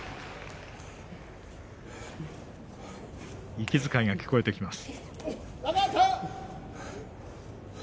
息遣いが聞こえてきます。